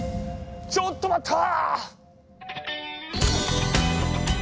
ちょっと待った！